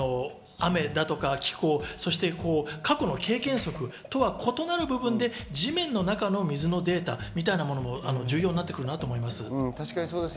雨だとか気候、過去の経験則とは異なる部分で地面の中の水のデータみたいなものが重要になってくるんだと思います。